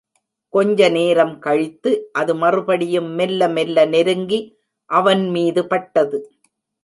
கொஞ்சநேரம் கழித்து அது மறுபடியும் மெல்ல மெல்ல நெருங்கி அவன் மீது பட்டது.